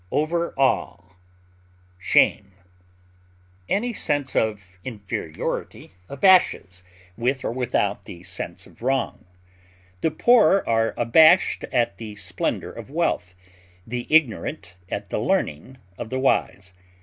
confuse, dishearten, Any sense of inferiority abashes, with or without the sense of wrong. The poor are abashed at the splendor of wealth, the ignorant at the learning of the wise.